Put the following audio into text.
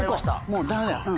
もうダメだ。